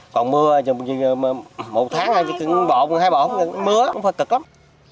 còn mưa một tháng ha hai bộ mưa không phải cực lắm